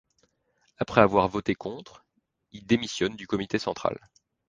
Après avoir voté contre, il démissionne du comité central.